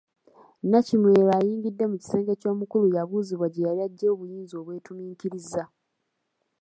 Nnakimwero ayingidde mu kisenge ky’omukulu yabuuzibwa gye yali aggye obuyinza obwetuminkiriza.